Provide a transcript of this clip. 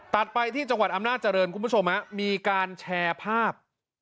ไปที่จังหวัดอำนาจริงคุณผู้ชมมีการแชร์ภาพ